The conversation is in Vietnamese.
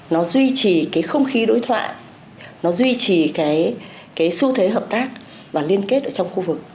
nó duy trì cái không khí đối thoại nó duy trì cái xu thế hợp tác và liên kết ở trong khu vực